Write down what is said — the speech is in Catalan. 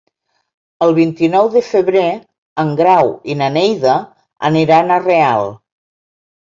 El vint-i-nou de febrer en Grau i na Neida aniran a Real.